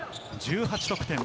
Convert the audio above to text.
１８得点。